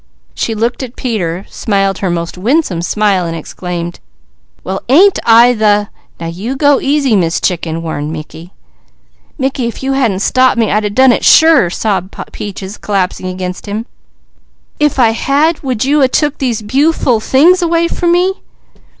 She looked at Peter, smiled her most winsome smile and exclaimed: "Well ain't I the " "Now you go easy, Miss Chicken," warned Mickey. "Mickey, if you hadn't stopped me I'd done it sure!" sobbed Peaches, collapsing against him. "'F I had, would you a took these bu'ful things 'way from me?"